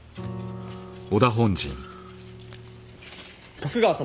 徳川様